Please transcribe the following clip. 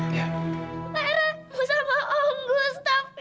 lara mau sama om gustaf ya